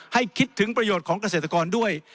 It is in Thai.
คิดถึงประโยชน์ของเกษตรกรด้วย